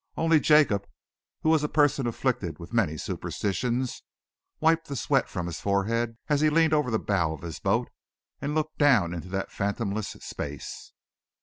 Only Jacob, who was a person afflicted with many superstitions, wiped the sweat from his forehead as he leaned over the bow of his boat and looked down into that fathomless space.